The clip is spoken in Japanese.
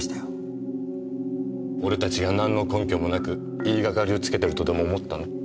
俺たちが何の根拠もなく言いがかりをつけてるとでも思ったの？